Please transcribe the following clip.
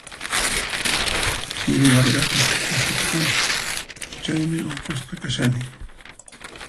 Chiri wayrata pasachikuni, chaymi unqusqa kashani.